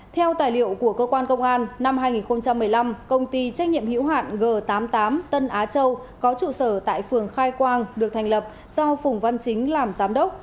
theo tài liệu của cơ quan công an năm hai nghìn một mươi năm công ty trách nhiệm hữu hạn g tám mươi tám tân á châu có trụ sở tại phường khai quang được thành lập do phùng văn chính làm giám đốc